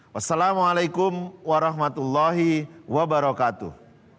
wassalamualaikum warahmatullahi wabarakatuh